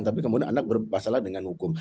tapi kemudian anak bermasalah dengan hukum